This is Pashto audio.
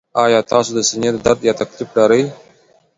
ایا تاسو د سینې درد یا تکلیف لرئ؟